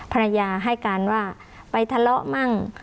ภรรยาให้การว่าไปทะเลาะมั่ง